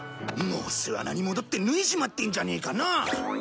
もう巣穴に戻って脱いじまってんじゃねえかな？